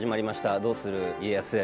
「どうする家康」。